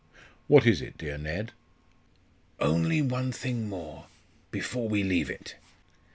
"What is it, dear Ned?" "Only one thing more, before we leave it.